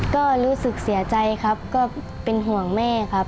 ก็รู้สึกเสียใจครับก็เป็นห่วงแม่ครับ